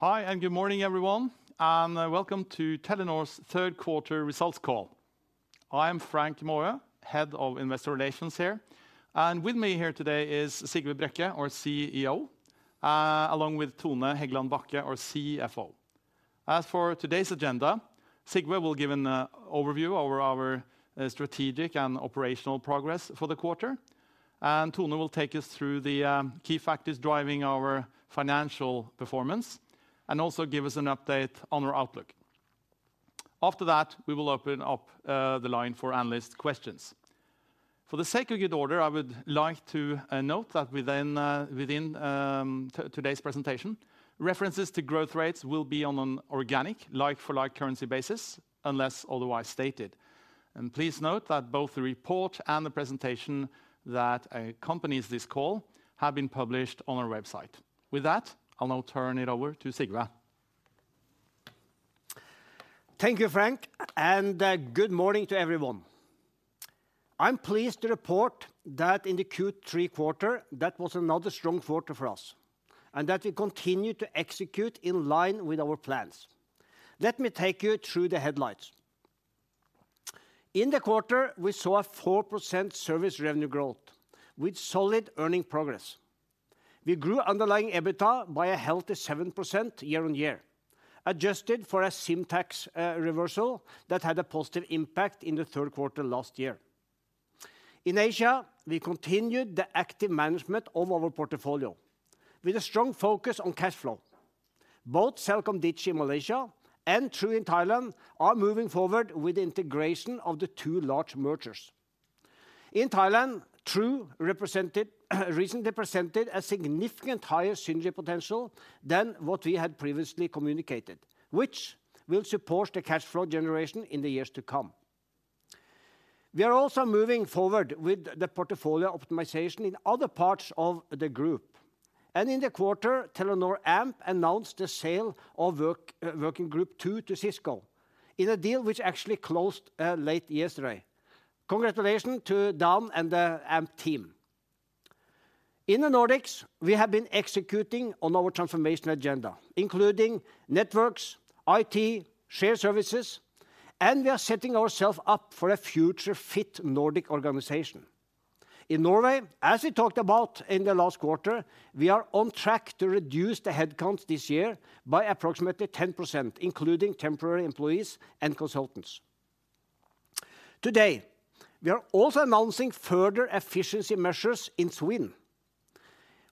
Hi, and good morning, everyone, and welcome to Telenor's Q3 results call. I am Frank Maaø, Head of Investor Relations here, and with me here today is Sigve Brekke, our CEO, along with Tone Hegland Bachke, our CFO. As for today's agenda, Sigve will give an overview over our strategic and operational progress for the quarter, and Tone will take us through the key factors driving our financial performance and also give us an update on our outlook. After that, we will open up the line for analyst questions. For the sake of good order, I would like to note that within today's presentation, references to growth rates will be on an organic, like-for-like currency basis, unless otherwise stated. Please note that both the report and the presentation that accompanies this call have been published on our website. With that, I'll now turn it over to Sigve. Thank you, Frank, and good morning to everyone. I'm pleased to report that in the Q3 quarter, that was another strong quarter for us, and that we continue to execute in line with our plans. Let me take you through the headlines. In the quarter, we saw a 4% service revenue growth with solid earning progress. We grew underlying EBITDA by a healthy 7% year-on-year, adjusted for a SIM tax reversal that had a positive impact in the Q3 last year. In Asia, we continued the active management of our portfolio with a strong focus on cash flow. Both CelcomDigi in Malaysia and True in Thailand are moving forward with the integration of the two large mergers. In Thailand, True recently presented a significant higher synergy potential than what we had previously communicated, which will support the cash flow generation in the years to come. We are also moving forward with the portfolio optimization in other parts of the group, and in the quarter, Telenor Amp announced the sale of Working Group Two to Cisco in a deal which actually closed late yesterday. Congratulations to Dan and the Amp team. In the Nordics, we have been executing on our transformation agenda, including networks, IT, shared services, and we are setting ourselves up for a future fit Nordic organization. In Norway, as we talked about in the last quarter, we are on track to reduce the headcount this year by approximately 10%, including temporary employees and consultants. Today, we are also announcing further efficiency measures in Sweden.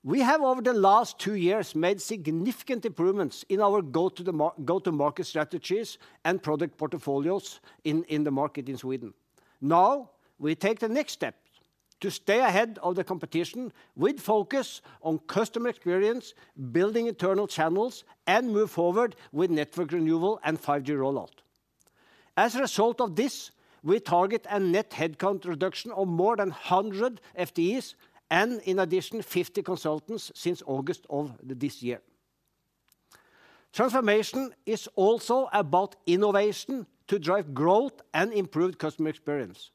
We have, over the last two years, made significant improvements in our go-to-market strategies and product portfolios in, in the market in Sweden. Now, we take the next step to stay ahead of the competition, with focus on customer experience, building internal channels, and move forward with network renewal and 5G rollout. As a result of this, we target a net headcount reduction of more than 100 FTEs, and in addition, 50 consultants since August of this year. Transformation is also about innovation to drive growth and improved customer experience.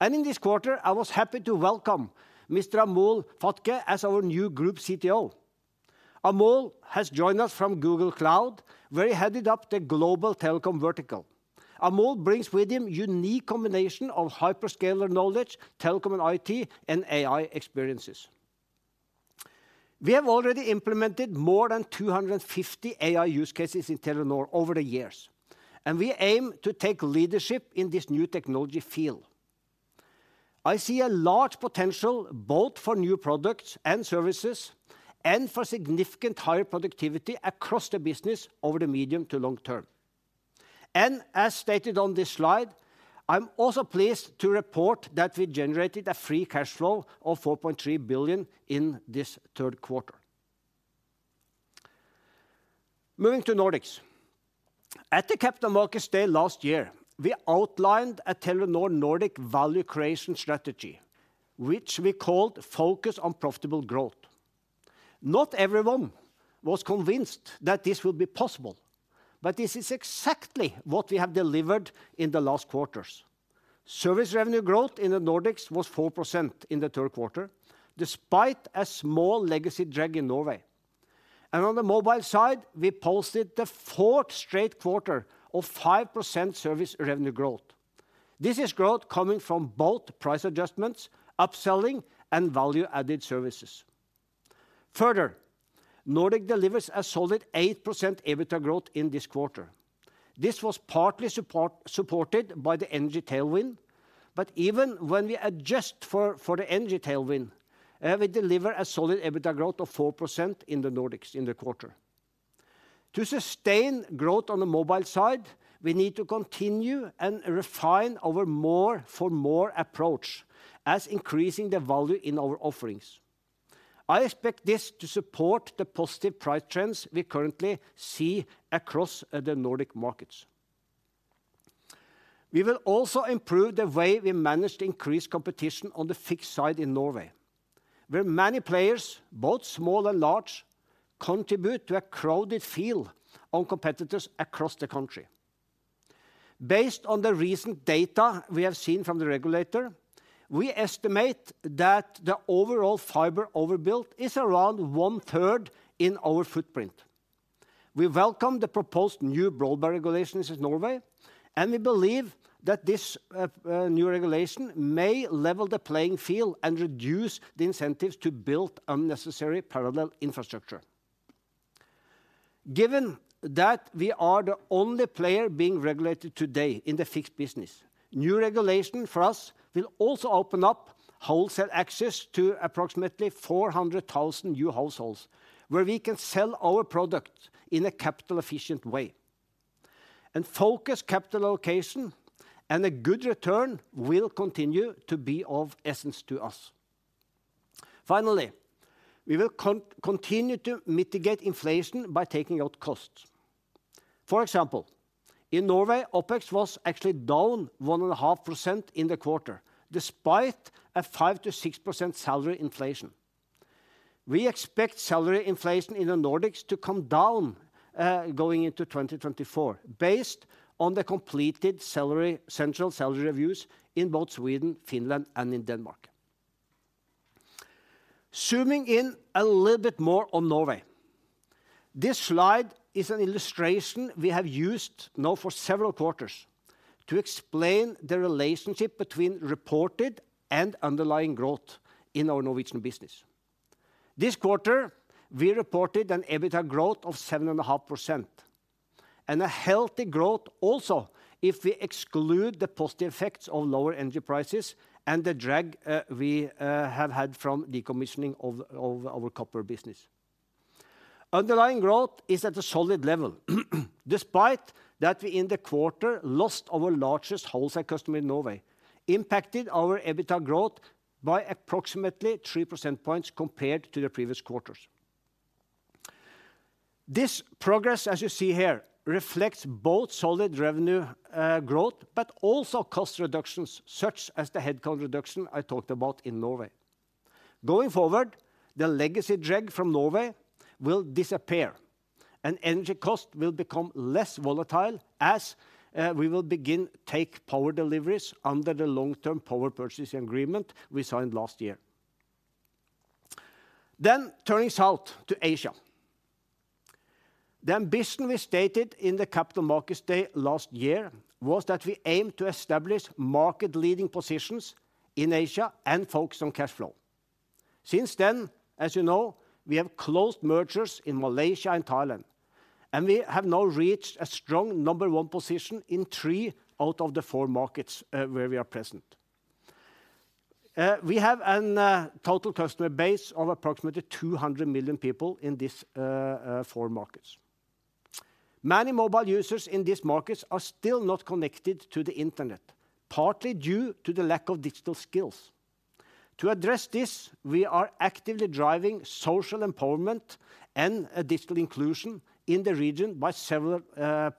In this quarter, I was happy to welcome Mr. Amol Phadke as our new group CTO. Amol has joined us from Google Cloud, where he headed up the global telecom vertical. Amol brings with him unique combination of hyperscaler knowledge, telecom and IT, and AI experiences. We have already implemented more than 250 AI use cases in Telenor over the years, and we aim to take leadership in this new technology field. I see a large potential both for new products and services, and for significant higher productivity across the business over the medium to long term. As stated on this slide, I'm also pleased to report that we generated a free cash flow of 4.3 billion in this Q3. Moving to Nordics. At the Capital Markets Day last year, we outlined a Telenor Nordic value creation strategy, which we called Focus on Profitable Growth. Not everyone was convinced that this would be possible, but this is exactly what we have delivered in the last quarters. Service revenue growth in the Nordics was 4% in the Q3, despite a small legacy drag in Norway. On the mobile side, we posted the fourth straight quarter of 5% service revenue growth. This is growth coming from both price adjustments, upselling, and value-added services. Further, Nordic delivers a solid 8% EBITDA growth in this quarter. This was partly supported by the energy tailwind, but even when we adjust for the energy tailwind, we deliver a solid EBITDA growth of 4% in the Nordics in the quarter. To sustain growth on the mobile side, we need to continue and refine our more-for-more approach as increasing the value in our offerings. I expect this to support the positive price trends we currently see across the Nordic markets. We will also improve the way we manage the increased competition on the fixed side in Norway, where many players, both small and large, contribute to a crowded field of competitors across the country. Based on the recent data we have seen from the regulator, we estimate that the overall fiber overbuilt is around one-third in our footprint. We welcome the proposed new broadband regulations in Norway, and we believe that this new regulation may level the playing field and reduce the incentives to build unnecessary parallel infrastructure. Given that we are the only player being regulated today in the fixed business, new regulation for us will also open up wholesale access to approximately 400,000 new households, where we can sell our products in a capital-efficient way. Focused capital allocation and a good return will continue to be of essence to us. Finally, we will continue to mitigate inflation by taking out costs. For example, in Norway, OpEx was actually down 1.5% in the quarter, despite a 5%-6% salary inflation. We expect salary inflation in the Nordics to come down, going into 2024, based on the completed salary-central salary reviews in both Sweden, Finland, and in Denmark. Zooming in a little bit more on Norway. This slide is an illustration we have used now for several quarters to explain the relationship between reported and underlying growth in our Norwegian business. This quarter, we reported an EBITDA growth of 7.5%, and a healthy growth also if we exclude the positive effects of lower energy prices and the drag, we have had from decommissioning of our copper business. Underlying growth is at a solid level, despite that we in the quarter lost our largest wholesale customer in Norway, impacted our EBITDA growth by approximately 3 percentage points compared to the previous quarters. This progress, as you see here, reflects both solid revenue growth, but also cost reductions, such as the headcount reduction I talked about in Norway. Going forward, the legacy drag from Norway will disappear, and energy cost will become less volatile as we will begin take power deliveries under the long-term power purchase agreement we signed last year. Then turning south to Asia. The ambition we stated in the Capital Markets Day last year was that we aim to establish market-leading positions in Asia and focus on cash flow. Since then, as you know, we have closed mergers in Malaysia and Thailand, and we have now reached a strong number one position in three out of the four markets where we are present. We have a total customer base of approximately 200 million people in these four markets. Many mobile users in these markets are still not connected to the internet, partly due to the lack of digital skills. To address this, we are actively driving social empowerment and digital inclusion in the region by several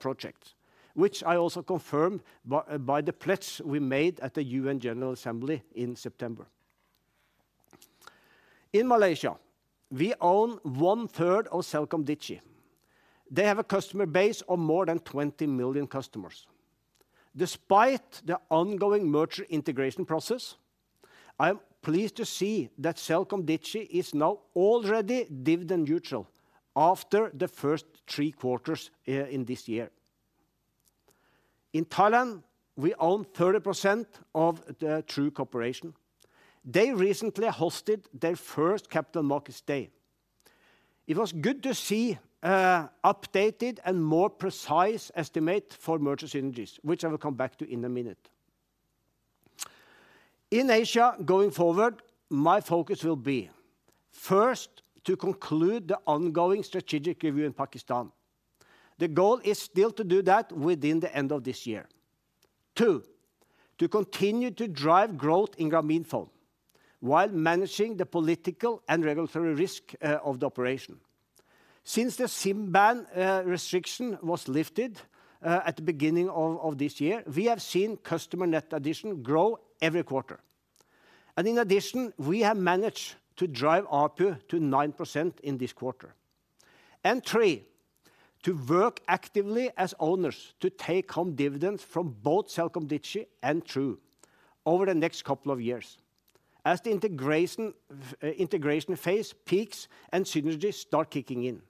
projects, which I also confirmed by the pledge we made at the UN General Assembly in September. In Malaysia, we own one third of Celcom Digi. They have a customer base of more than 20 million customers. Despite the ongoing merger integration process, I am pleased to see that Celcom Digi is now already dividend neutral after the first three quarters in this year. In Thailand, we own 30% of the True Corporation. They recently hosted their first Capital Markets Day. It was good to see updated and more precise estimate for merger synergies, which I will come back to in a minute. In Asia, going forward, my focus will be, first, to conclude the ongoing strategic review in Pakistan. The goal is still to do that within the end of this year. Two, to continue to drive growth in Grameenphone, while managing the political and regulatory risk of the operation. Since the SIM ban restriction was lifted at the beginning of this year, we have seen customer net addition grow every quarter. And in addition, we have managed to drive ARPU to 9% in this quarter. And three, to work actively as owners to take home dividends from both Celcom Digi and True over the next couple of years as the integration phase peaks and synergies start kicking in.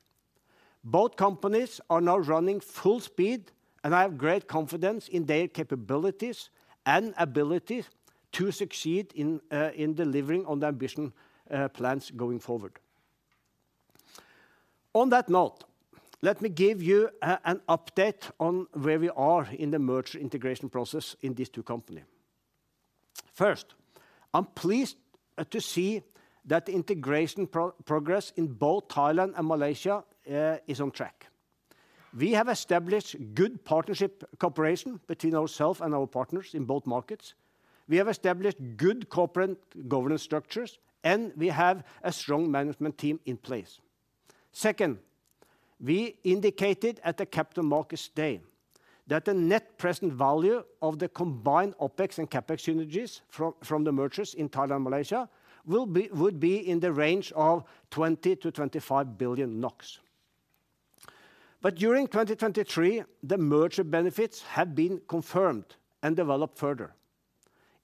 Both companies are now running full speed, and I have great confidence in their capabilities and ability to succeed in delivering on the ambition plans going forward. On that note, let me give you an update on where we are in the merger integration process in these two companies. First, I'm pleased to see that the integration progress in both Thailand and Malaysia is on track. We have established good partnership cooperation between ourselves and our partners in both markets. We have established good corporate governance structures, and we have a strong management team in place. Second, we indicated at the Capital Markets Day that the net present value of the combined OpEx and CapEx synergies from the mergers in Thailand and Malaysia would be in the range of 20-25 billion NOK. During 2023, the merger benefits have been confirmed and developed further.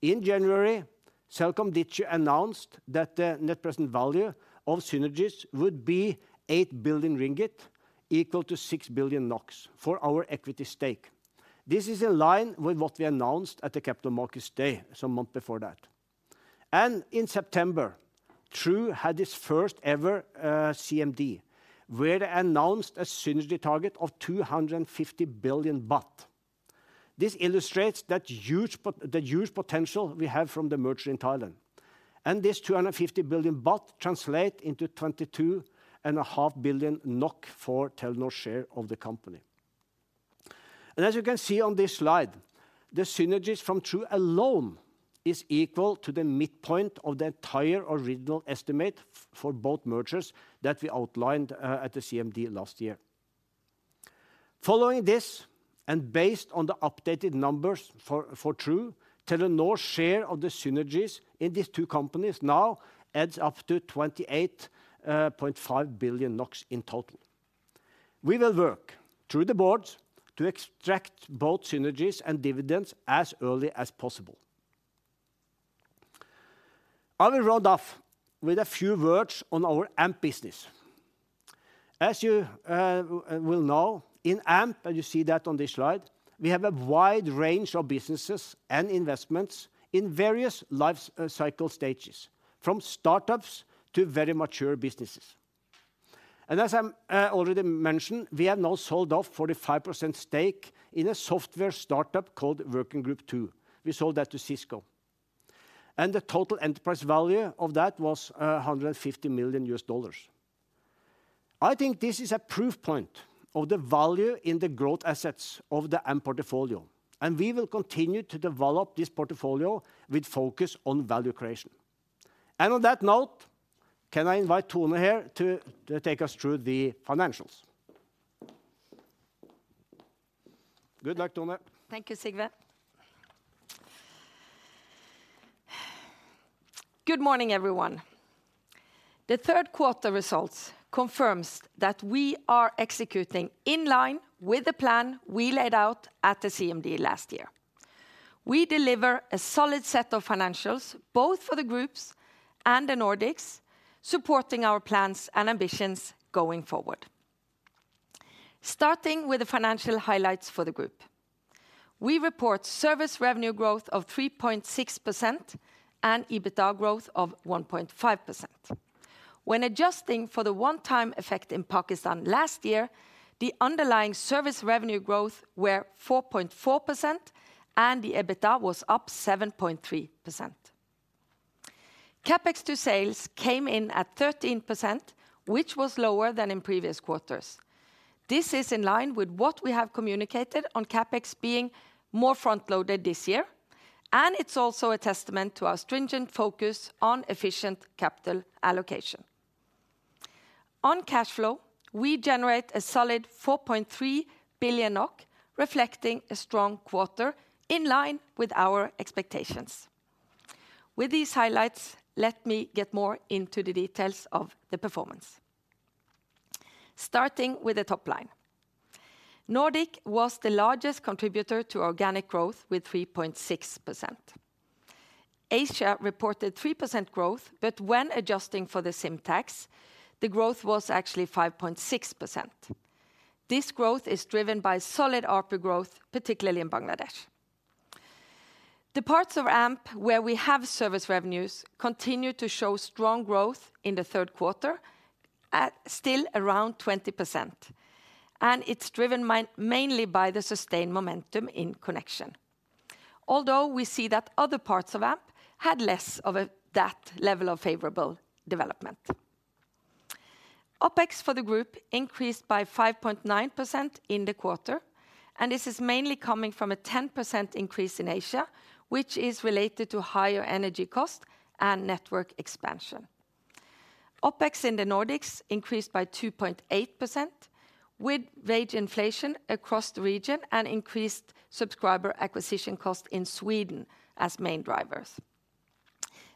In January, CelcomDigi announced that the net present value of synergies would be 8 billion ringgit, equal to 6 billion NOK for our equity stake. This is in line with what we announced at the Capital Markets Day some months before that. And in September, True had its first ever CMD, where they announced a synergy target of 250 billion baht. This illustrates the huge potential we have from the merger in Thailand, and this 250 billion baht translate into 22.5 billion NOK for Telenor's share of the company. As you can see on this slide, the synergies from True alone is equal to the midpoint of the entire original estimate for both mergers that we outlined at the CMD last year. Following this, and based on the updated numbers for True, Telenor's share of the synergies in these two companies now adds up to 28.5 billion NOK in total. We will work through the boards to extract both synergies and dividends as early as possible. I will round off with a few words on our Amp business. As you will know, in Amp, and you see that on this slide, we have a wide range of businesses and investments in various lifecycle stages, from startups to very mature businesses. As I already mentioned, we have now sold off 45% stake in a software startup called Working Group Two. We sold that to Cisco, and the total enterprise value of that was $150 million. I think this is a proof point of the value in the growth assets of the Amp portfolio, and we will continue to develop this portfolio with focus on value creation. And on that note, can I invite Tone here to take us through the financials? Good luck, Tone. Thank you, Sigve. Good morning, everyone. The Q3 results confirms that we are executing in line with the plan we laid out at the CMD last year. We deliver a solid set of financials, both for the groups and the Nordics, supporting our plans and ambitions going forward. Starting with the financial highlights for the group: we report service revenue growth of 3.6% and EBITDA growth of 1.5%. When adjusting for the one-time effect in Pakistan last year, the underlying service revenue growth were 4.4%, and the EBITDA was up 7.3%. CapEx to sales came in at 13%, which was lower than in previous quarters. This is in line with what we have communicated on CapEx being more front-loaded this year, and it's also a testament to our stringent focus on efficient capital allocation. On cash flow, we generate a solid 4.3 billion NOK, reflecting a strong quarter in line with our expectations. With these highlights, let me get more into the details of the performance. Starting with the top line. Nordic was the largest contributor to organic growth with 3.6%. Asia reported 3% growth, but when adjusting for the SIM tax, the growth was actually 5.6%. This growth is driven by solid ARPU growth, particularly in Bangladesh. The parts of Amp where we have service revenues continue to show strong growth in the Q3, at still around 20%, and it's driven mainly by the sustained momentum in Connexion. Although, we see that other parts of Amp had less of a, that level of favorable development. OpEx for the group increased by 5.9% in the quarter, and this is mainly coming from a 10% increase in Asia, which is related to higher energy cost and network expansion. OpEx in the Nordics increased by 2.8%, with wage inflation across the region and increased subscriber acquisition cost in Sweden as main drivers.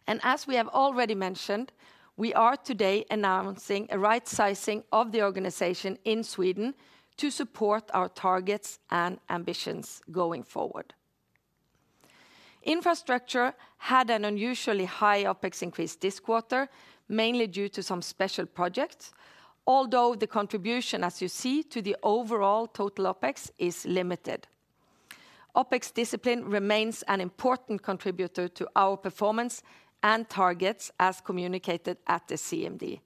As we have already mentioned, we are today announcing a right sizing of the organization in Sweden to support our targets and ambitions going forward. Infrastructure had an unusually high OpEx increase this quarter, mainly due to some special projects, although the contribution, as you see to the overall total OpEx, is limited. OpEx discipline remains an important contributor to our performance and targets, as communicated at the CMD.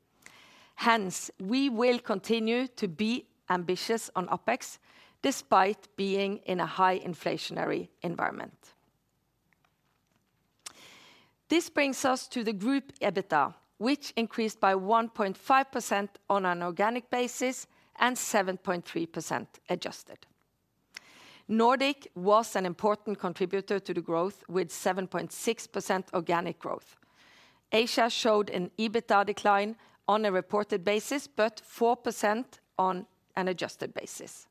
Hence, we will continue to be ambitious on OpEx despite being in a high inflationary environment. This brings us to the group EBITDA, which increased by 1.5% on an organic basis and 7.3% adjusted. Nordics was an important contributor to the growth with 7.6% organic growth. Asia showed an EBITDA decline on a reported basis, but 4% on an adjusted basis....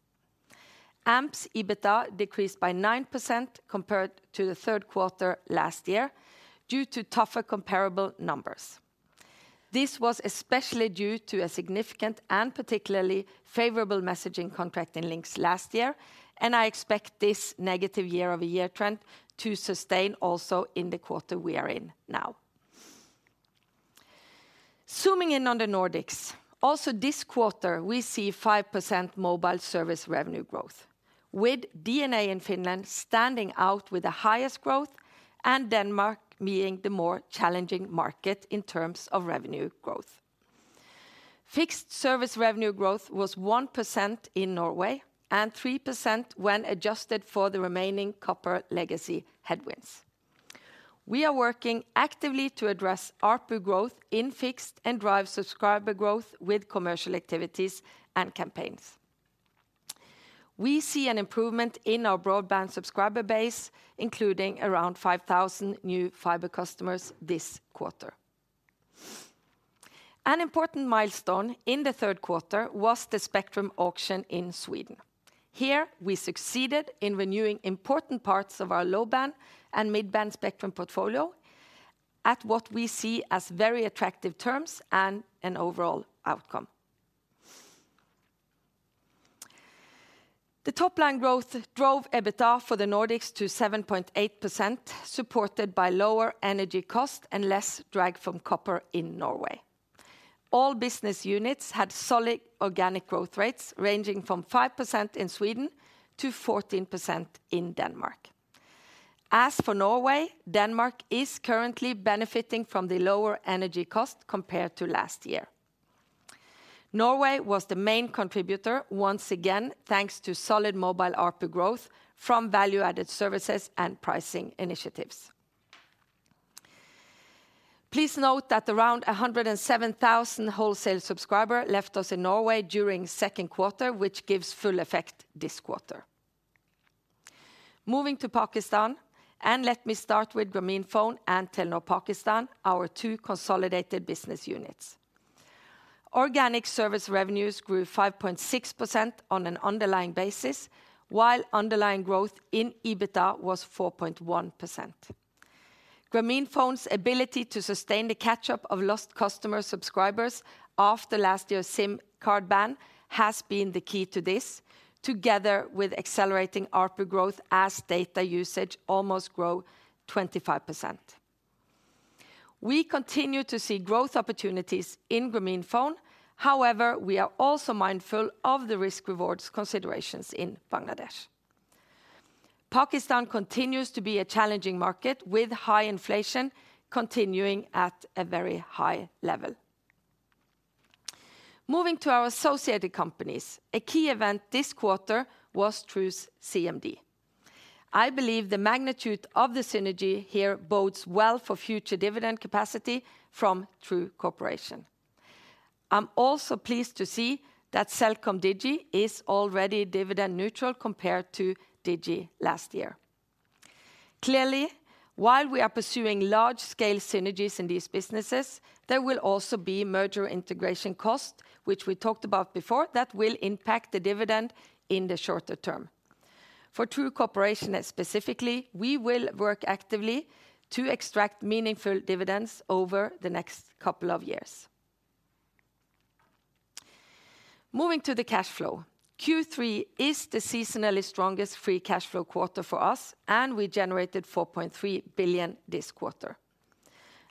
Amp's EBITDA decreased by 9% compared to the Q3 last year, due to tougher comparable numbers. This was especially due to a significant and particularly favorable messaging contract in Linx last year, and I expect this negative year-over-year trend to sustain also in the quarter we are in now. Zooming in on the Nordics, also this quarter, we see 5% mobile service revenue growth, with DNA in Finland standing out with the highest growth, and Denmark being the more challenging market in terms of revenue growth. Fixed service revenue growth was 1% in Norway, and 3% when adjusted for the remaining copper legacy headwinds. We are working actively to address ARPU growth in fixed, and drive subscriber growth with commercial activities and campaigns. We see an improvement in our broadband subscriber base, including around 5,000 new fiber customers this quarter. An important milestone in the Q3 was the spectrum auction in Sweden. Here, we succeeded in renewing important parts of our low-band and mid-band spectrum portfolio at what we see as very attractive terms and an overall outcome. The top line growth drove EBITDA for the Nordics to 7.8%, supported by lower energy cost and less drag from copper in Norway. All business units had solid organic growth rates, ranging from 5% in Sweden to 14% in Denmark. As for Norway, Denmark is currently benefiting from the lower energy cost compared to last year. Norway was the main contributor, once again, thanks to solid mobile ARPU growth from value-added services and pricing initiatives. Please note that around 107,000 wholesale subscriber left us in Norway during Q2, which gives full effect this quarter. Moving to Pakistan, and let me start with Grameenphone and Telenor Pakistan, our two consolidated business units. Organic service revenues grew 5.6% on an underlying basis, while underlying growth in EBITDA was 4.1%. Grameenphone's ability to sustain the catch-up of lost customer subscribers after last year's SIM card ban has been the key to this, together with accelerating ARPU growth as data usage almost grow 25%. We continue to see growth opportunities in Grameenphone. However, we are also mindful of the risk-rewards considerations in Bangladesh. Pakistan continues to be a challenging market, with high inflation continuing at a very high level. Moving to our associated companies, a key event this quarter was True's CMD. I believe the magnitude of the synergy here bodes well for future dividend capacity from True Corporation. I'm also pleased to see that CelcomDigi is already dividend neutral compared to Digi last year. Clearly, while we are pursuing large-scale synergies in these businesses, there will also be merger integration cost, which we talked about before, that will impact the dividend in the shorter term. For True Corporation, specifically, we will work actively to extract meaningful dividends over the next couple of years. Moving to the cash flow, Q3 is the seasonally strongest free cash flow quarter for us, and we generated 4.3 billion this quarter.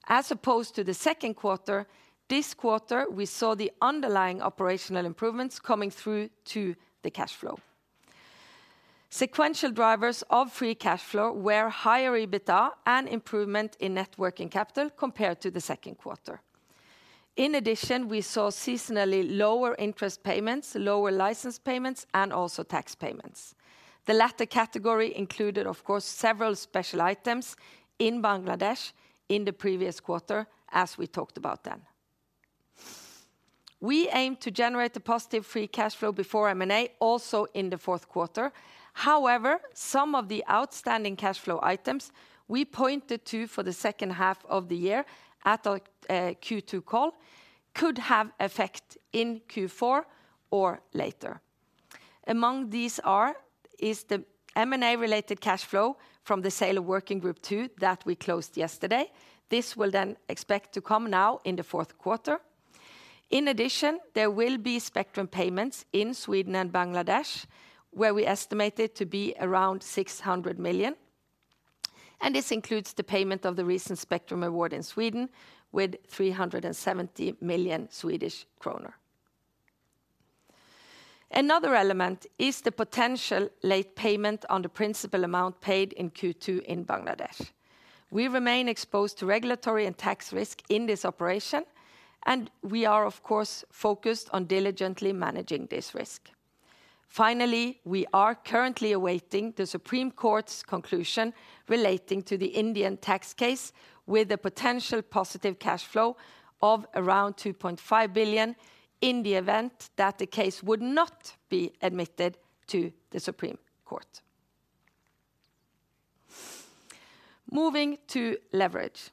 As opposed to the Q2, this quarter, we saw the underlying operational improvements coming through to the cash flow. Sequential drivers of free cash flow were higher EBITDA and improvement in net working capital compared to the Q2. In addition, we saw seasonally lower interest payments, lower license payments, and also tax payments. The latter category included, of course, several special items in Bangladesh in the previous quarter, as we talked about then. We aim to generate a positive free cash flow before M&A also in the Q4. However, some of the outstanding cash flow items we pointed to for the second half of the year at our Q2 call could have effect in Q4 or later. Among these are the M&A-related cash flow from the sale of Working Group Two that we closed yesterday. This will then expect to come now in the Q4. In addition, there will be spectrum payments in Sweden and Bangladesh, where we estimate it to be around 600 million, and this includes the payment of the recent spectrum award in Sweden with 370 million Swedish krona. Another element is the potential late payment on the principal amount paid in Q2 in Bangladesh. We remain exposed to regulatory and tax risk in this operation, and we are, of course, focused on diligently managing this risk. Finally, we are currently awaiting the Supreme Court's conclusion relating to the Indian tax case, with a potential positive cash flow of around 2.5 billion in the event that the case would not be admitted to the Supreme Court. Moving to leverage.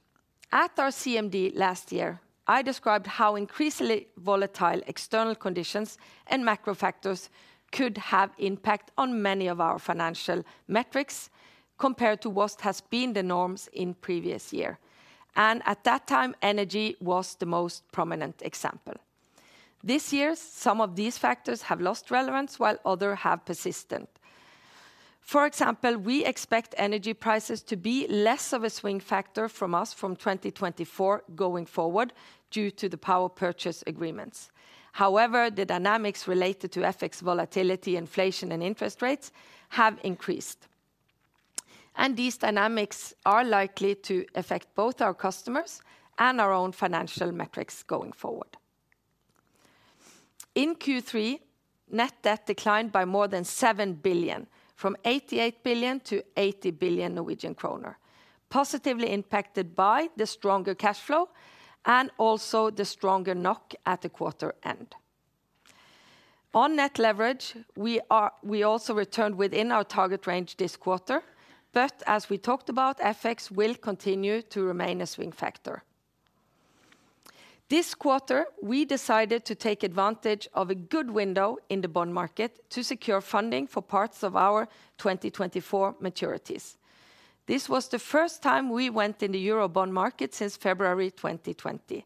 At our CMD last year, I described how increasingly volatile external conditions and macro factors could have impact on many of our financial metrics compared to what has been the norms in previous year. At that time, energy was the most prominent example. This year, some of these factors have lost relevance, while other have persistent. For example, we expect energy prices to be less of a swing factor from us from 2024 going forward, due to the power purchase agreements. However, the dynamics related to FX volatility, inflation, and interest rates have increased, and these dynamics are likely to affect both our customers and our own financial metrics going forward. In Q3, net debt declined by more than 7 billion, from 88 billion to 80 billion Norwegian kroner, positively impacted by the stronger cash flow and also the stronger NOK at the quarter end. On net leverage, we also returned within our target range this quarter, but as we talked about, FX will continue to remain a swing factor. This quarter, we decided to take advantage of a good window in the bond market to secure funding for parts of our 2024 maturities. This was the first time we went in the Eurobond market since February 2020.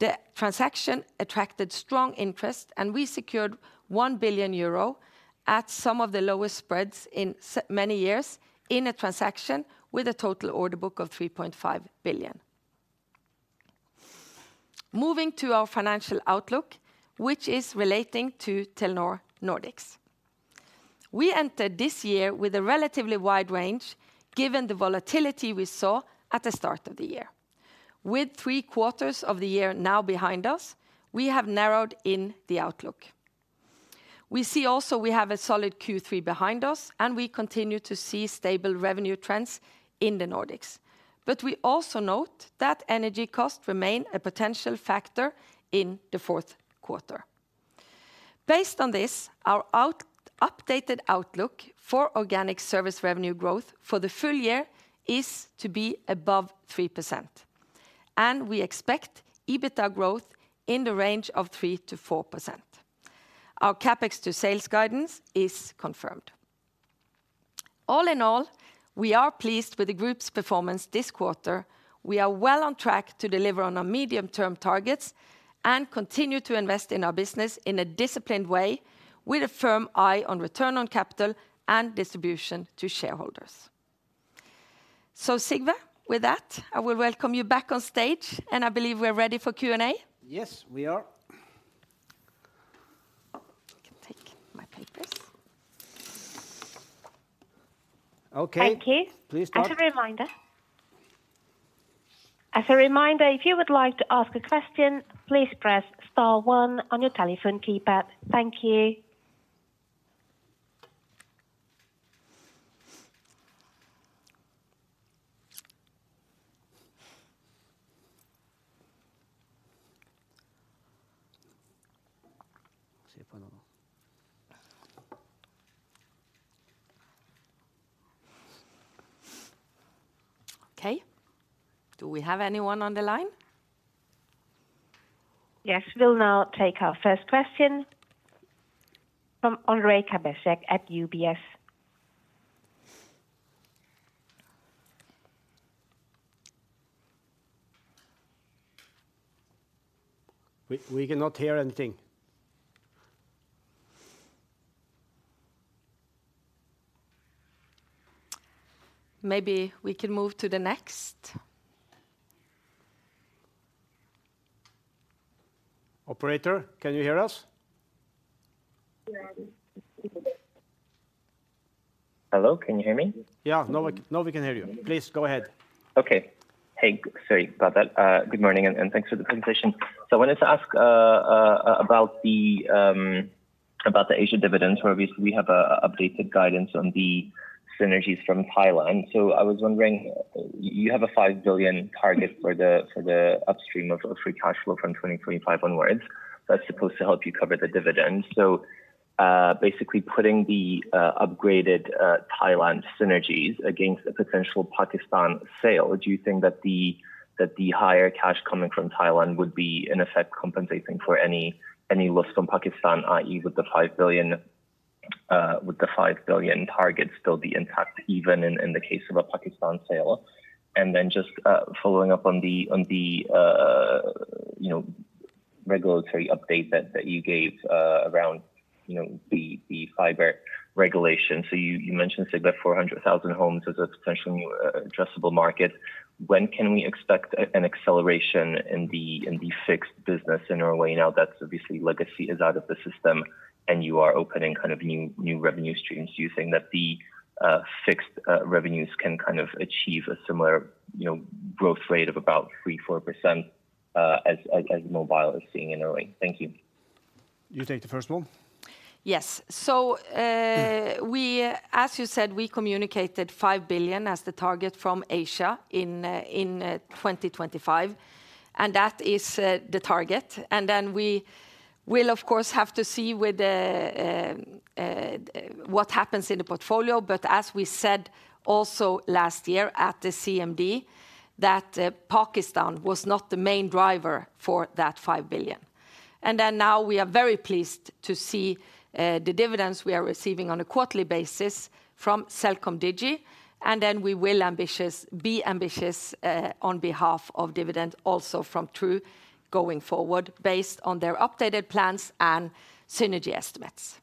The transaction attracted strong interest, and we secured 1 billion euro at some of the lowest spreads in many years in a transaction with a total order book of 3.5 billion. Moving to our financial outlook, which is relating to Telenor Nordics. We entered this year with a relatively wide range, given the volatility we saw at the start of the year. With three quarters of the year now behind us, we have narrowed in the outlook. We see also we have a solid Q3 behind us, and we continue to see stable revenue trends in the Nordics. But we also note that energy costs remain a potential factor in the Q4 Based on this, our updated outlook for organic service revenue growth for the full year is to be above 3%, and we expect EBITDA growth in the range of 3%-4%. Our CapEx to sales guidance is confirmed. All in all, we are pleased with the group's performance this quarter. We are well on track to deliver on our medium-term targets and continue to invest in our business in a disciplined way, with a firm eye on return on capital and distribution to shareholders. So, Sigve, with that, I will welcome you back on stage, and I believe we're ready for Q&A. Yes, we are. I can take my papers. Okay. Thank you. Please start. As a reminder, as a reminder, if you would like to ask a question, please press star one on your telephone keypad. Thank you. Okay. Do we have anyone on the line? Yes, we'll now take our first question from Ondrej Cabejsek at UBS. We cannot hear anything. Maybe we can move to the next. Operator, can you hear us? Yes. Hello, can you hear me? Yeah. Now we, now we can hear you. Please go ahead. Okay. Hey, sorry about that. Good morning, and thanks for the presentation. So I wanted to ask about the Asia dividends, where obviously we have a updated guidance on the synergies from Thailand. So I was wondering, you have a 5 billion target for the upstream of free cash flow from 2025 onwards. That's supposed to help you cover the dividend. So basically, putting the upgraded Thailand synergies against a potential Pakistan sale, do you think that the higher cash coming from Thailand would be, in effect, compensating for any loss from Pakistan, i.e., with the 5 billion target still be intact, even in the case of a Pakistan sale? And then just, following up on the, on the, you know, regulatory update that you gave, around, you know, the fiber regulation. So you mentioned, Sigve, 400,000 homes as a potential new, addressable market. When can we expect an acceleration in the, in the fixed business in Norway now that obviously legacy is out of the system and you are opening kind of new revenue streams? Do you think that the fixed revenues can kind of achieve a similar, you know, growth rate of about 3%-4%, as mobile is seeing in Norway? Thank you. You take the first one. Yes. So, as you said, we communicated 5 billion as the target from Asia in 2025, and that is the target. We'll, of course, have to see with what happens in the portfolio. But as we said also last year at the CMD, that Pakistan was not the main driver for that 5 billion. Now we are very pleased to see the dividends we are receiving on a quarterly basis from CelcomDigi, and then we will be ambitious on behalf of dividend, also from True going forward, based on their updated plans and synergy estimates.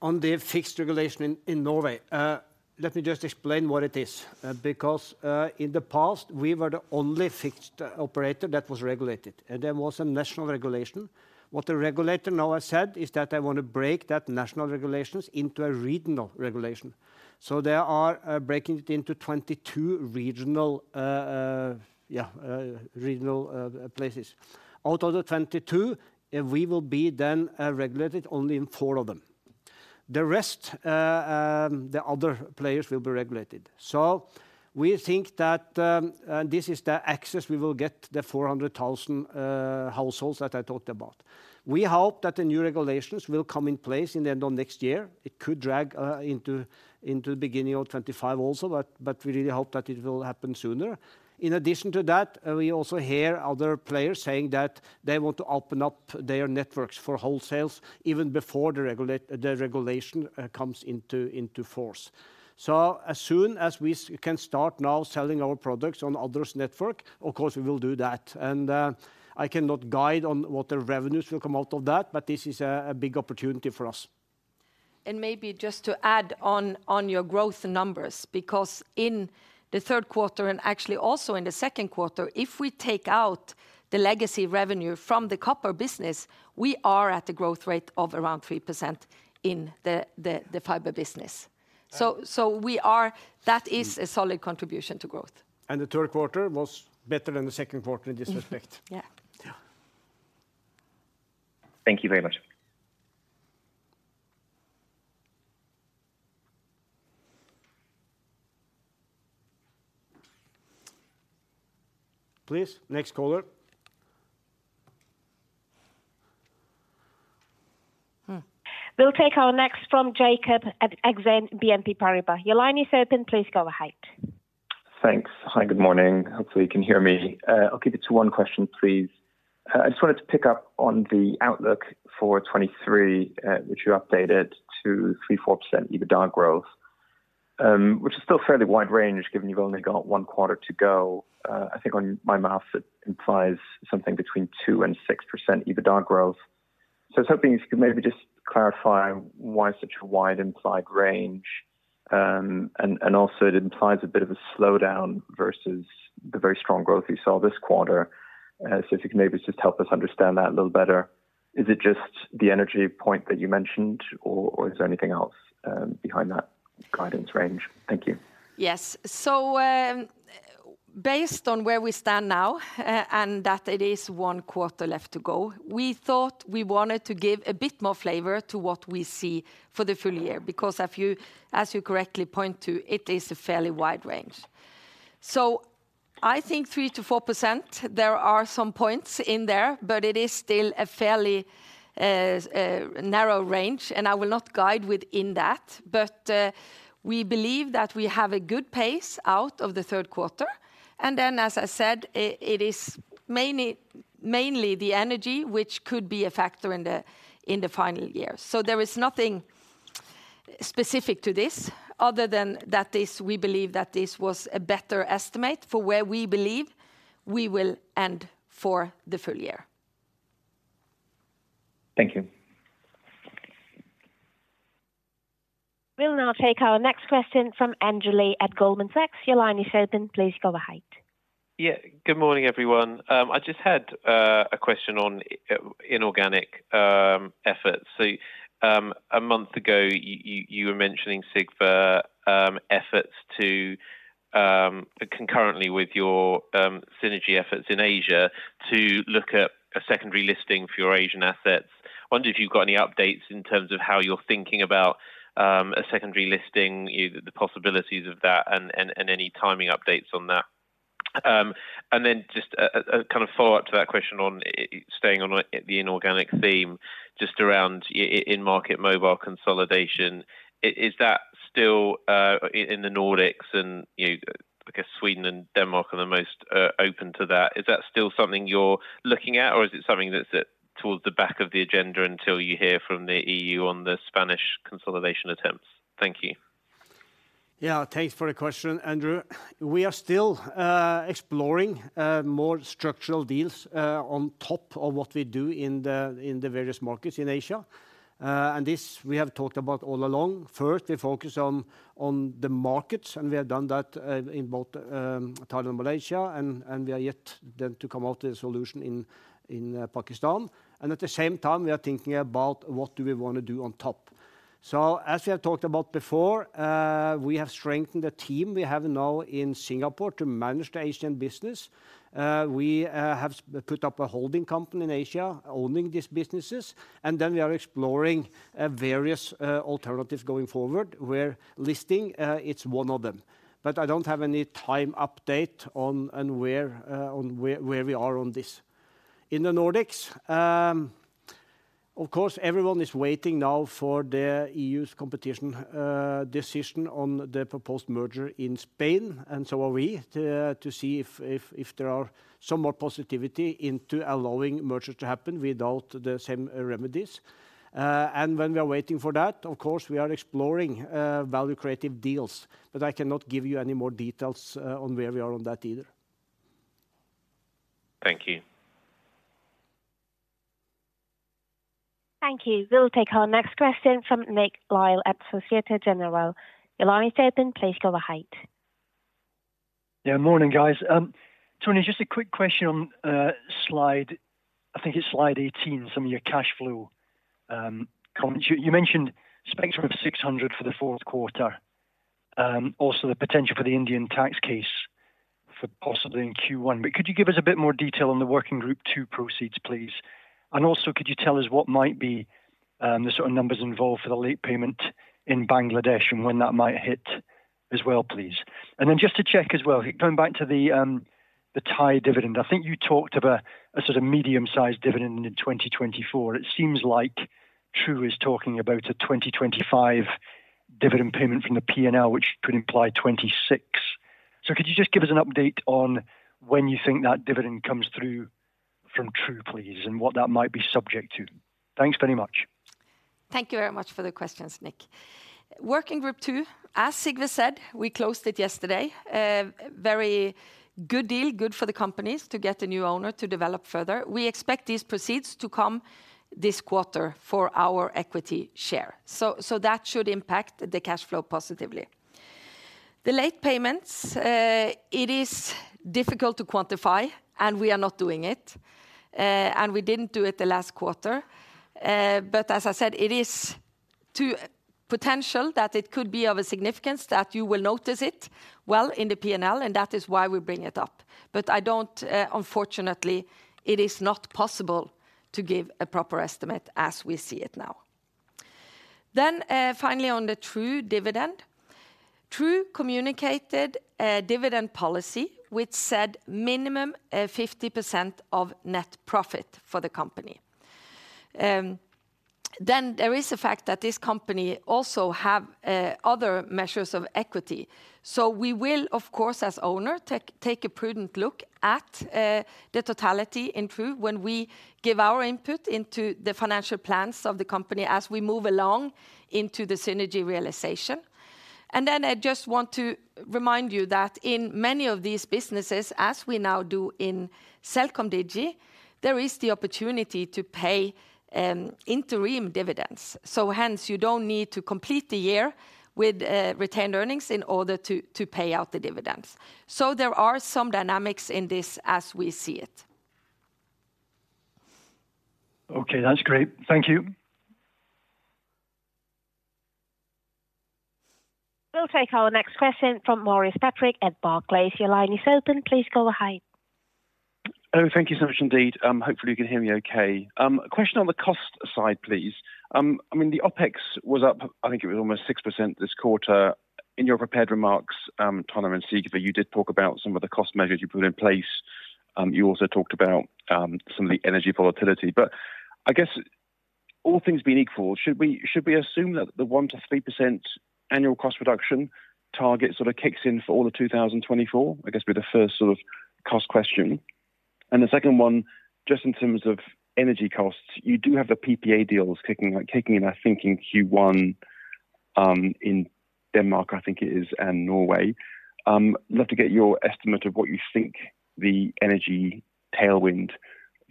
On the fixed regulation in Norway, let me just explain what it is. Because in the past, we were the only fixed operator that was regulated, and there was a national regulation. What the regulator now has said is that they want to break that national regulations into a regional regulation. So they are breaking it into 22 regional places. Out of the 22, we will then be regulated only in 4 of them. The rest, the other players will be regulated. So we think that this is the access we will get, the 400,000 households that I talked about. We hope that the new regulations will come in place in the end of next year. It could drag into the beginning of 2025 also, but we really hope that it will happen sooner. In addition to that, we also hear other players saying that they want to open up their networks for wholesale even before the regulation comes into force. So as soon as we can start now selling our products on others' network, of course, we will do that. And I cannot guide on what the revenues will come out of that, but this is a big opportunity for us. Maybe just to add on, on your growth numbers, because in the Q3, and actually also in the Q2, if we take out the legacy revenue from the copper business, we are at the growth rate of around 3% in the fiber business. So, we are. That is a solid contribution to growth. The Q3 was better than the Q2 in this respect. Yeah. Yeah. Thank you very much. Please, next caller. We'll take our next from Jakob Bluestone at Exane BNP Paribas. Your line is open. Please go ahead. Thanks. Hi, good morning. Hopefully, you can hear me. I'll keep it to one question, please. I just wanted to pick up on the outlook for 2023, which you updated to 3%-4% EBITDA growth, which is still a fairly wide range, given you've only got one quarter to go. I think on my math, it implies something between 2% and 6% EBITDA growth. So I was hoping you could maybe just clarify why such a wide implied range, and also it implies a bit of a slowdown versus the very strong growth we saw this quarter. So if you could maybe just help us understand that a little better. Is it just the energy point that you mentioned, or is there anything else behind that guidance range? Thank you. Yes. So, based on where we stand now, and that it is one quarter left to go, we thought we wanted to give a bit more flavor to what we see for the full year, because if you, as you correctly point to, it is a fairly wide range. So I think 3%-4%, there are some points in there, but it is still a fairly, narrow range, and I will not guide within that. But, we believe that we have a good pace out of the Q3, and then, as I said, it is mainly the energy, which could be a factor in the, in the final year. So there is nothing specific to this, other than that we believe that this was a better estimate for where we believe we will end for the full year. Thank you. We'll now take our next question from Andrew Lee at Goldman Sachs. Your line is open. Please go ahead. Yeah. Good morning, everyone. I just had a question on inorganic efforts. So, a month ago, you were mentioning Sigve efforts to concurrently with your synergy efforts in Asia, to look at a secondary listing for your Asian assets. I wonder if you've got any updates in terms of how you're thinking about a secondary listing, the possibilities of that, and any timing updates on that. And then just a kind of follow-up to that question on staying on the inorganic theme, just around in-market mobile consolidation. Is that still in the Nordics and, you know, I guess Sweden and Denmark are the most open to that? Is that still something you're looking at, or is it something that's pushed towards the back of the agenda until you hear from the EU on the Spanish consolidation attempts? Thank you. Yeah, thanks for the question, Andrew. We are still exploring more structural deals on top of what we do in the various markets in Asia. And this, we have talked about all along. First, we focus on the markets, and we have done that in both Thailand and Malaysia, and we are yet then to come out with a solution in Pakistan. And at the same time, we are thinking about what do we want to do on top. So as we have talked about before, we have strengthened the team we have now in Singapore to manage the Asian business. We have put up a holding company in Asia, owning these businesses, and then we are exploring various alternatives going forward, where listing it's one of them. But I don't have any time update on and where we are on this. In the Nordics, of course, everyone is waiting now for the EU's competition decision on the proposed merger in Spain, and so are we, to see if there are some more positivity into allowing mergers to happen without the same remedies. And when we are waiting for that, of course, we are exploring value creative deals, but I cannot give you any more details on where we are on that either. Thank you. Thank you. We'll take our next question from Nick Lyall at Societe Generale. Your line is open. Please go ahead. Yeah, morning, guys. Tone, just a quick question on slide 18, some of your cash flow comments. You, you mentioned spectrum of 600 for the Q4, also the potential for the Indian tax case for possibly in Q1. But could you give us a bit more detail on the Working Group Two proceeds, please? And also, could you tell us what might be the sort of numbers involved for the late payment in Bangladesh, and when that might hit as well, please? And then just to check as well, going back to the Thai dividend, I think you talked about a sort of medium-sized dividend in 2024. It seems like True is talking about a 2025 dividend payment from the P&L, which could imply 2026. Could you just give us an update on when you think that dividend comes through from True, please, and what that might be subject to? Thanks very much. Thank you very much for the questions, Nick. Working Group Two, as Sigve said, we closed it yesterday. Very good deal, good for the companies to get a new owner to develop further. We expect these proceeds to come this quarter for our equity share. So, that should impact the cash flow positively. The late payments, it is difficult to quantify, and we are not doing it, and we didn't do it the last quarter. But as I said, it is to potential that it could be of a significance that you will notice it well in the P&L, and that is why we bring it up. But I don't, unfortunately, it is not possible to give a proper estimate as we see it now. Then, finally, on the True dividend. True communicated a dividend policy, which said minimum of 50% of net profit for the company. Then there is the fact that this company also have other measures of equity. So we will, of course, as owner, take, take a prudent look at the totality in True when we give our input into the financial plans of the company as we move along into the synergy realization. And then I just want to remind you that in many of these businesses, as we now do in CelcomDigi, there is the opportunity to pay interim dividends. So hence, you don't need to complete the year with retained earnings in order to pay out the dividends. There are some dynamics in this as we see it. Okay, that's great. Thank you. We'll take our next question from Maurice Patrick at Barclays. Your line is open, please go ahead. Oh, thank you so much indeed. Hopefully, you can hear me okay. A question on the cost side, please. I mean, the OpEx was up, I think it was almost 6% this quarter. In your prepared remarks, Tone and Sigve, you did talk about some of the cost measures you put in place. You also talked about some of the energy volatility. But I guess all things being equal, should we, should we assume that the 1%-3% annual cost reduction target sort of kicks in for all of 2024? I guess, be the first sort of cost question. And the second one, just in terms of energy costs, you do have the PPA deals kicking in, I think, in Q1 in Denmark, I think it is, and Norway. I'd love to get your estimate of what you think the energy tailwind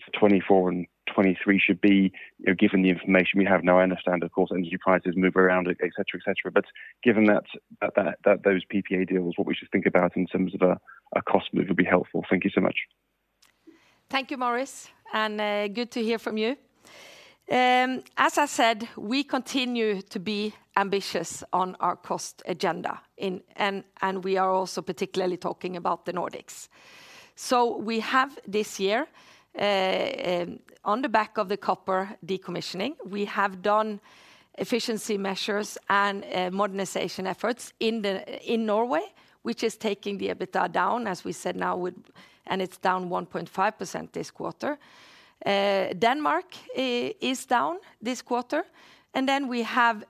for 2024 and 2023 should be, you know, given the information we have now. I understand, of course, energy prices move around, et cetera, et cetera. But given that those PPA deals, what we should think about in terms of a cost move would be helpful. Thank you so much. Thank you, Maurice, and good to hear from you. As I said, we continue to be ambitious on our cost agenda in and we are also particularly talking about the Nordics. So we have this year, on the back of the copper decommissioning, we have done efficiency measures and modernization efforts in Norway, which is taking the EBITDA down, as we said now, and it's down 1.5% this quarter. Denmark is down this quarter, and then we have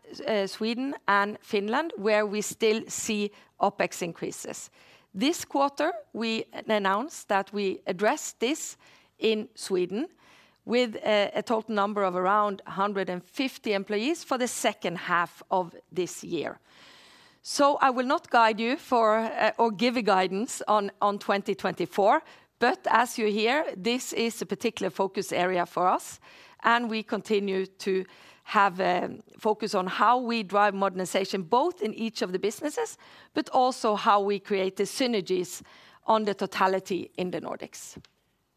Sweden and Finland, where we still see OpEx increases. This quarter, we announced that we addressed this in Sweden with a total number of around 150 employees for the second half of this year. So I will not guide you for, or give a guidance on 2024, but as you hear, this is a particular focus area for us, and we continue to have a focus on how we drive modernization, both in each of the businesses, but also how we create the synergies on the totality in the Nordics.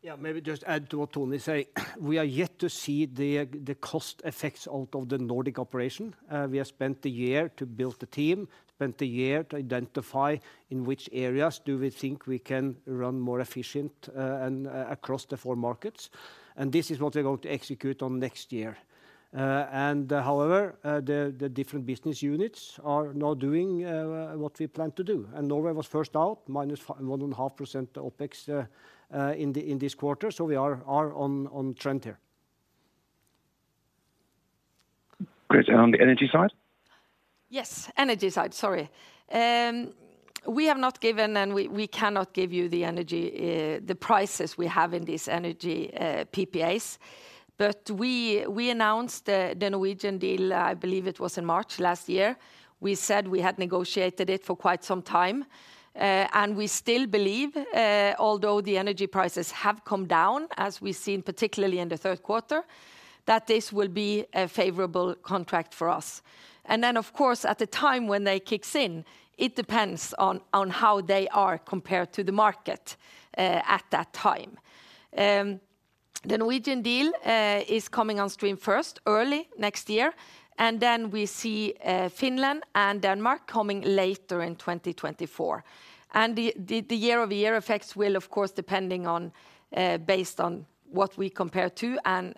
Yeah, maybe just add to what Tone is saying. We are yet to see the cost effects out of the Nordic operation. We have spent the year to build the team, spent the year to identify in which areas do we think we can run more efficient, and across the four markets, and this is what we're going to execute on next year. And however, the different business units are now doing what we plan to do, and Norway was first out, minus 1.5% OpEx, in this quarter, so we are on trend here.... Great, and on the energy side? Yes, energy side, sorry. We have not given, and we, we cannot give you the energy, the prices we have in these energy PPAs. But we, we announced the Norwegian deal, I believe it was in March last year. We said we had negotiated it for quite some time. And we still believe, although the energy prices have come down, as we've seen particularly in the Q3, that this will be a favorable contract for us. And then, of course, at the time when they kicks in, it depends on how they are compared to the market, at that time. The Norwegian deal is coming on stream first, early next year, and then we see Finland and Denmark coming later in 2024. The year-over-year effects will of course, depending on, based on what we compare to, and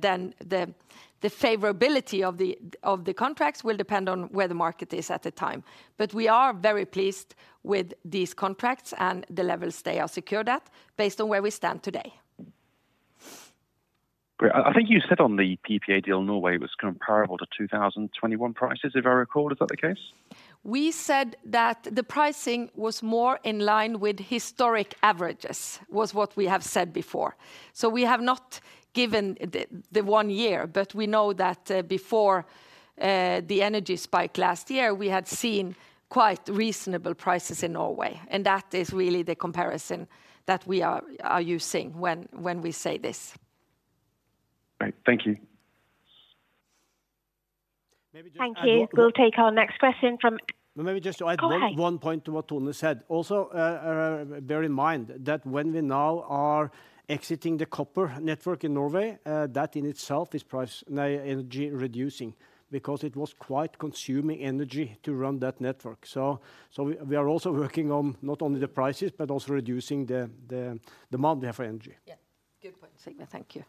then the favorability of the contracts will depend on where the market is at the time. But we are very pleased with these contracts and the levels they are secured at, based on where we stand today. Great. I think you said on the PPA deal, Norway was comparable to 2021 prices, if I recall. Is that the case? We said that the pricing was more in line with historic averages, was what we have said before. So we have not given the one year, but we know that before the energy spike last year, we had seen quite reasonable prices in Norway, and that is really the comparison that we are using when we say this. Right. Thank you. Maybe just add one- Thank you. We'll take our next question from- Well, maybe just to add- Go ahead... one point to what Tone said. Also, bear in mind that when we now are exiting the copper network in Norway, that in itself is price, energy reducing, because it was quite consuming energy to run that network. So, so we, we are also working on not only the prices, but also reducing the, the, the amount we have for energy. Yeah. Good point, Sigve. Thank you.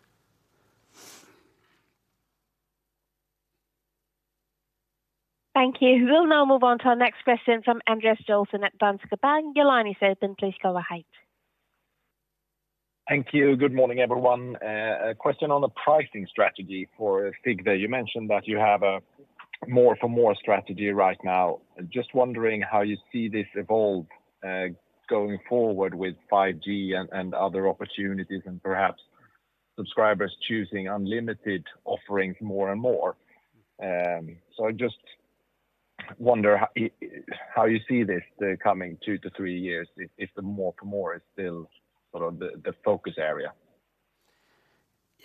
Thank you. We'll now move on to our next question from Andreas Joelsson at Danske Bank. Your line is open. Please go ahead. Thank you. Good morning, everyone. A question on the pricing strategy for Sigve. You mentioned that you have a more for more strategy right now. Just wondering how you see this evolve, going forward with 5G and other opportunities, and perhaps subscribers choosing unlimited offerings more and more. So I just wonder how you see this, the coming two to three years, if the more for more is still sort of the focus area?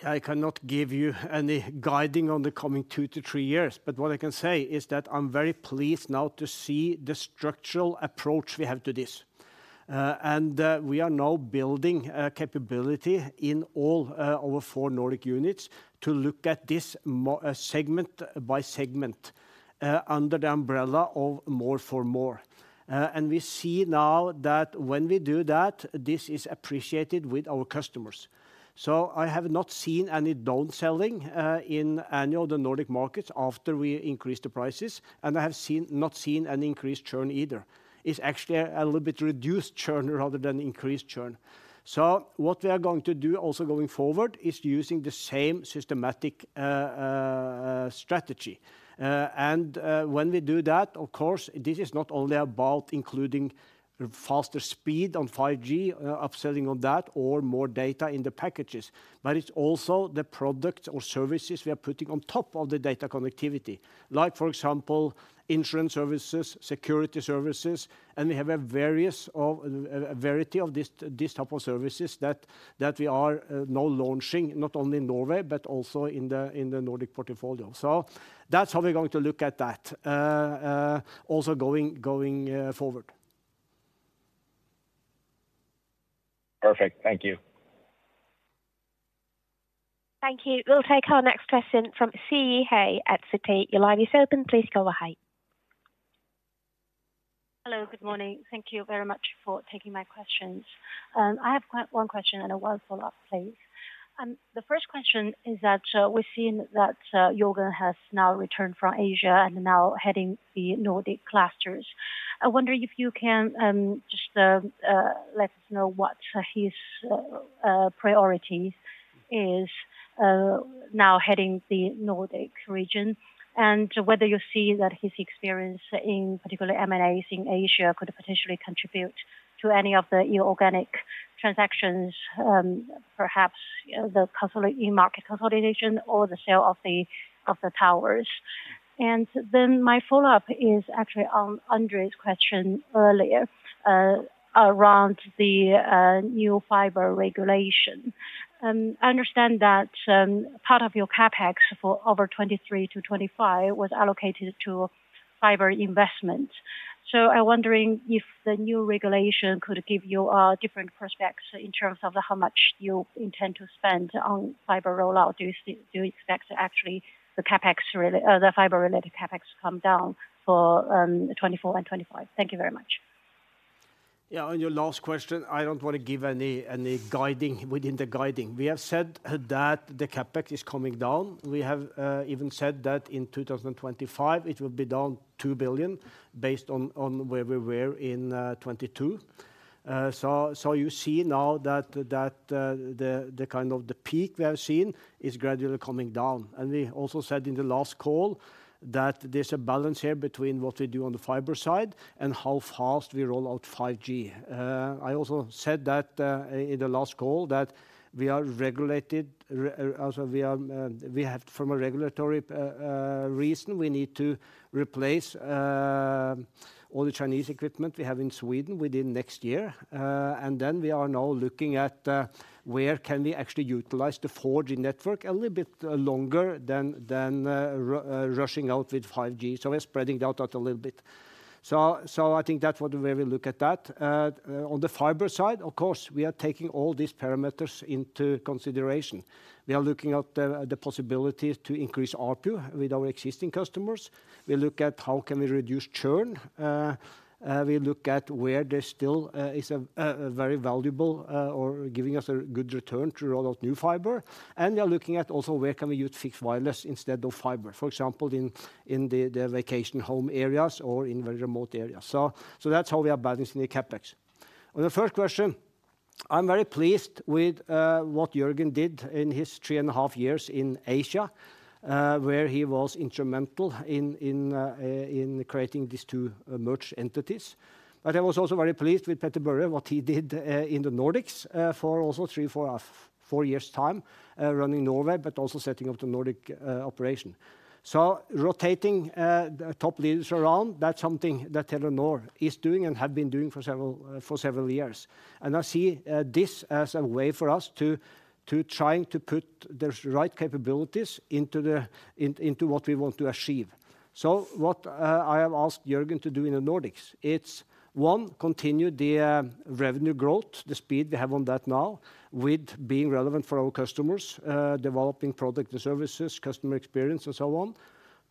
Yeah, I cannot give you any guidance on the coming 2-3 years, but what I can say is that I'm very pleased now to see the structural approach we have to this. And we are now building a capability in all our 4 Nordic units to look at this mobile segment by segment under the umbrella of more for more. And we see now that when we do that, this is appreciated with our customers. So I have not seen any down selling in any of the Nordic markets after we increased the prices, and I have not seen any increased churn either. It's actually a little bit reduced churn rather than increased churn. So what we are going to do also going forward is using the same systematic strategy. And when we do that, of course, this is not only about including faster speed on 5G, upselling on that, or more data in the packages, but it's also the product or services we are putting on top of the data connectivity. Like, for example, insurance services, security services, and we have a variety of these type of services that we are now launching, not only in Norway, but also in the Nordic portfolio. So that's how we're going to look at that, also going forward. Perfect. Thank you. Thank you. We'll take our next question from Siyi He at Citi. Your line is open. Please go ahead. Hello, good morning. Thank you very much for taking my questions. I have one question and one follow-up, please. The first question is that, we've seen that, Jørgen has now returned from Asia and now heading the Nordic clusters. I wonder if you can, just, let us know what, his, priorities is, now heading the Nordic region, and whether you see that his experience in particular M&As in Asia could potentially contribute to any of the inorganic transactions, perhaps, the in-market consolidation or the sale of the, of the towers? And then my follow-up is actually on Andrew's question earlier, around the, new fiber regulation. I understand that, part of your CapEx for 2023-2025 was allocated to fiber investment. I'm wondering if the new regulation could give you different prospects in terms of how much you intend to spend on fiber rollout. Do you expect actually the CapEx related the fiber-related CapEx to come down for 2024 and 2025? Thank you very much. Yeah, on your last question, I don't want to give any guiding within the guiding. We have said that the CapEx is coming down. We have even said that in 2025, it will be down 2 billion based on where we were in 2022. So you see now that the kind of the peak we have seen is gradually coming down. And we also said in the last call that there's a balance here between what we do on the fiber side and how fast we roll out 5G. I also said that in the last call that we are regulated. Also we are, we have from a regulatory reason, we need to replace all the Chinese equipment we have in Sweden within next year. And then we are now looking at where can we actually utilize the 4G network a little bit longer than rushing out with 5G. So we're spreading out that a little bit. So I think that's the way we look at that. On the fiber side, of course, we are taking all these parameters into consideration. We are looking at the possibility to increase ARPU with our existing customers. We look at how can we reduce churn. We look at where there still is a very valuable or giving us a good return to roll out new fiber. And we are also looking at where can we use fixed wireless instead of fiber, for example, in the vacation home areas or in very remote areas. So that's how we are balancing the CapEx. On the first question, I'm very pleased with what Jørgen did in his three and a half years in Asia, where he was instrumental in creating these two merged entities. But I was also very pleased with Petter-Børre, what he did in the Nordics for also three, four, four years time, running Norway, but also setting up the Nordic operation. So rotating the top leaders around, that's something that Telenor is doing and have been doing for several, for several years. And I see this as a way for us to trying to put the right capabilities into in, into what we want to achieve. So what, I have asked Jørgen to do in the Nordics, it's, one, continue the, revenue growth, the speed we have on that now, with being relevant for our customers, developing product and services, customer experience, and so on.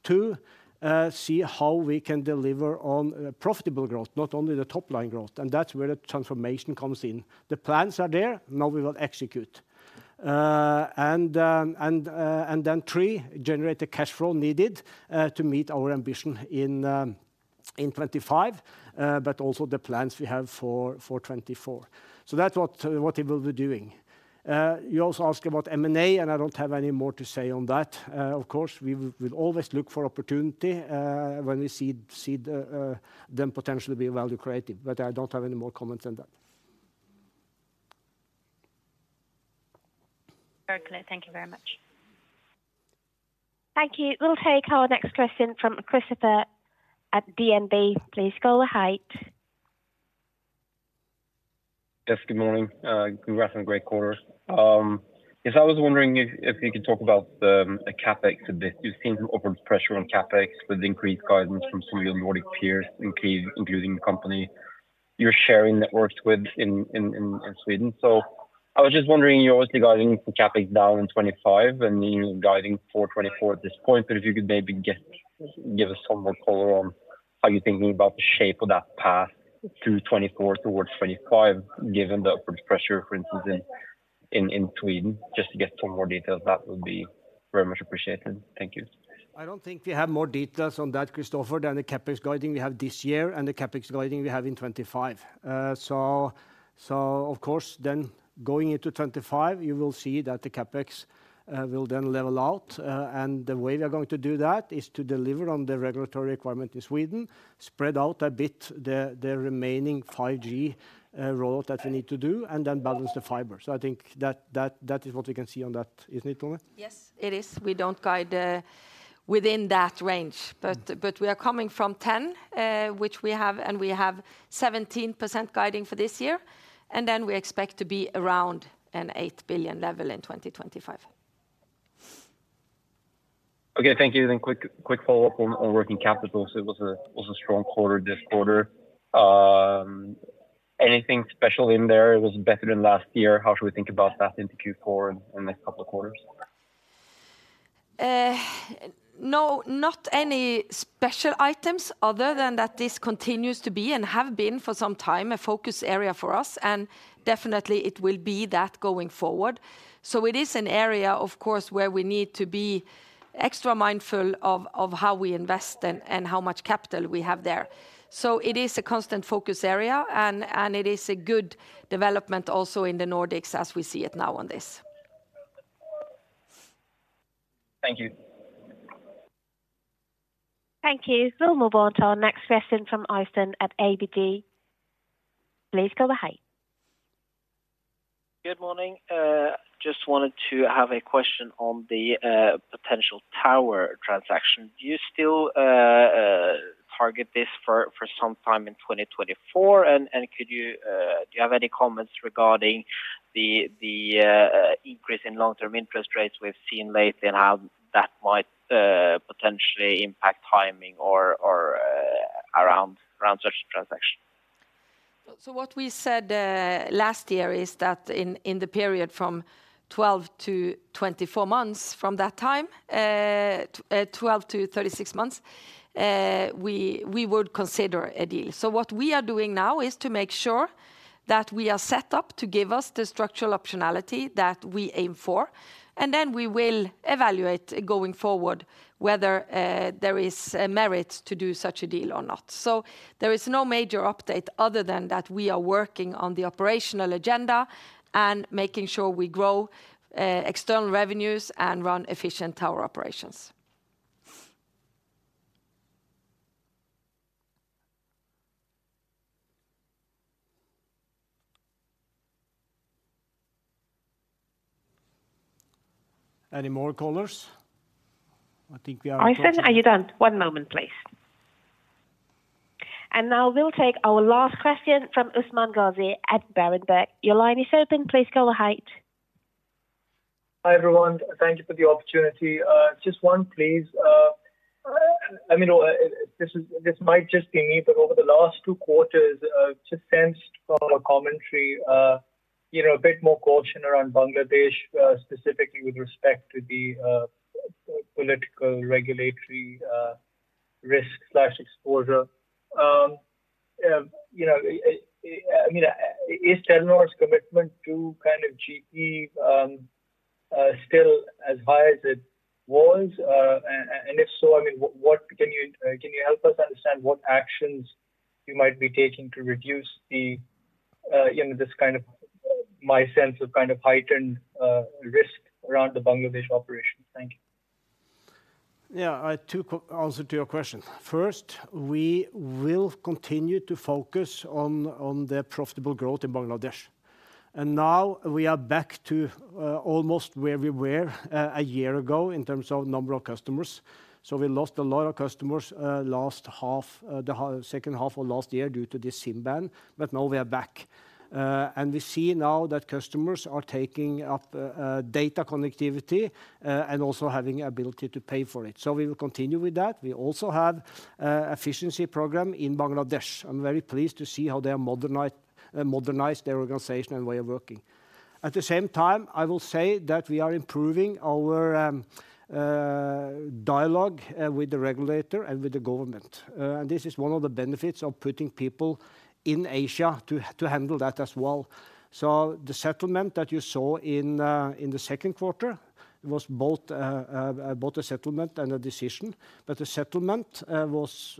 Two, see how we can deliver on, profitable growth, not only the top line growth, and that's where the transformation comes in. The plans are there, now we will execute. And, and then three, generate the cash flow needed, to meet our ambition in, in 2025, but also the plans we have for, for 2024. So that's what, what he will be doing. You also ask about M&A, and I don't have any more to say on that. Of course, we will always look for opportunity when we see them potentially be value-creating, but I don't have any more comments on that. Very clear. Thank you very much. Thank you. We'll take our next question from Christopher at DNB. Please go ahead. Yes, good morning. Congrats on great quarter. Yes, I was wondering if you could talk about the CapEx a bit. You seem to offer pressure on CapEx with increased guidance from some of your Nordic peers, including the company you're sharing networks with in Sweden. So I was just wondering, you're obviously guiding the CapEx down in 2025 and you're guiding for 2024 at this point, but if you could maybe give us some more color on how you're thinking about the shape of that path through 2024 towards 2025, given the upward pressure, for instance, in Sweden, just to get some more details, that would be very much appreciated. Thank you. I don't think we have more details on that, Christopher, than the CapEx guiding we have this year and the CapEx guiding we have in 2025. So, of course, then going into 2025, you will see that the CapEx will then level out. And the way we are going to do that is to deliver on the regulatory requirement in Sweden, spread out a bit the remaining 5G rollout that we need to do, and then balance the fiber. So I think that is what we can see on that, isn't it, Tone? Yes, it is. We don't guide within that range, but, but we are coming from 10, which we have, and we have 17% guiding for this year, and then we expect to be around a 8 billion level in 2025. Okay, thank you. Then quick, quick follow-up on, on working capital. So it was a strong quarter this quarter. Anything special in there? It was better than last year. How should we think about that into Q4 and, and next couple of quarters? No, not any special items other than that this continues to be, and have been for some time, a focus area for us, and definitely it will be that going forward. So it is an area, of course, where we need to be extra mindful of how we invest and how much capital we have there. So it is a constant focus area, and it is a good development also in the Nordics as we see it now on this. Thank you. Thank you. We'll move on to our next question from Øystein at ABG. Please go ahead. Good morning. Just wanted to have a question on the potential tower transaction. Do you still target this for some time in 2024? And do you have any comments regarding the increase in long-term interest rates we've seen lately, and how that might potentially impact timing or around such a transaction? So what we said last year is that in the period from 12-24 months from that time, 12-36 months, we would consider a deal. So what we are doing now is to make sure that we are set up to give us the structural optionality that we aim for, and then we will evaluate going forward whether there is a merit to do such a deal or not. So there is no major update other than that we are working on the operational agenda and making sure we grow external revenues and run efficient tower operations. Any more callers? I think we are approaching- Øystein, are you done? One moment, please. And now we'll take our last question from Usman Ghazi at Berenberg. Your line is open. Please go ahead. Hi, everyone. Thank you for the opportunity. Just one, please. I mean, this might just be me, but over the last two quarters, just sensed from our commentary, you know, a bit more caution around Bangladesh, specifically with respect to the political regulatory risk exposure. You know, I mean, is Telenor's commitment to kind of GP still as high as it was? And if so, I mean, what can you help us understand what actions you might be taking to reduce, you know, this kind of my sense of kind of heightened risk around the Bangladesh operations? Thank you. Yeah, a two-part answer to your question. First, we will continue to focus on the profitable growth in Bangladesh. Now we are back to almost where we were a year ago in terms of number of customers. So we lost a lot of customers last half, the second half of last year due to the SIM ban, but now we are back. And we see now that customers are taking up data connectivity and also having ability to pay for it. So we will continue with that. We also have efficiency program in Bangladesh. I'm very pleased to see how they are modernize their organization and way of working. At the same time, I will say that we are improving our dialogue with the regulator and with the government. And this is one of the benefits of putting people in Asia to handle that as well. So the settlement that you saw in the Q2 was both a settlement and a decision, but the settlement was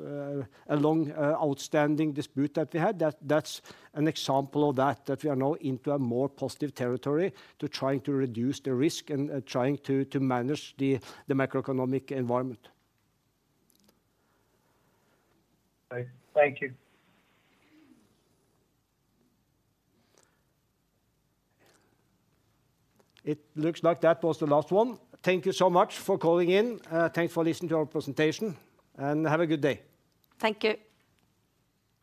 a long outstanding dispute that we had. That's an example of that, that we are now into a more positive territory to trying to reduce the risk and trying to manage the macroeconomic environment. Okay. Thank you. It looks like that was the last one. Thank you so much for calling in. Thanks for listening to our presentation, and have a good day. Thank you.